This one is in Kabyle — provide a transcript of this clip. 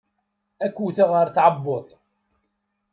Ad k-wteɣ ar tɛebbuḍt.